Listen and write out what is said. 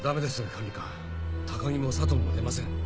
管理官高木も佐藤も出ません。